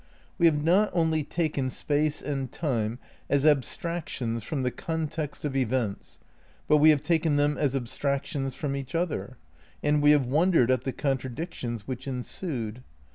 We have not only taken Space and Time as abstractions from the context of events, but we have taken them as abstractions from each other; and we have wondered at the contradic tions which ensued.